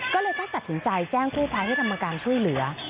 ก็เลยต้องตัดสินใจแจ้งกู้ภัยให้ธรรมการช่วยเหลือ